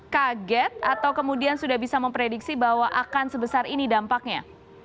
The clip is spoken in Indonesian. kaget atau kemudian sudah bisa memprediksi bahwa akan sebesar ini dampaknya